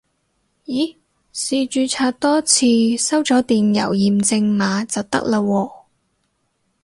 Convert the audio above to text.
咦試註冊多次收咗電郵驗證碼就得喇喎